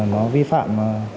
nó vi phạm